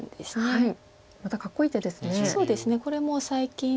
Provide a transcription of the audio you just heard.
はい。